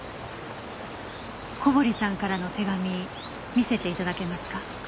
小堀さんからの手紙見せて頂けますか？